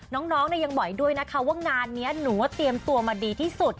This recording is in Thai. น้องนะยังบอกให้ด้วยว่างานนี้หนูเตรียมตัวมาดีที่สุด